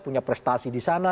punya prestasi di sana